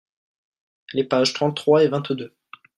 les pages trente trois et vingt deux.